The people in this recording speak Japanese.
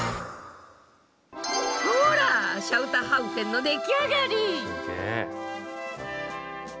ほらシャイタハウフェンの出来上がり！